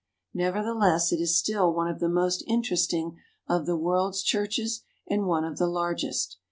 Nevertheless, it is still one of the most interesting of the world's churches, and one of the largest.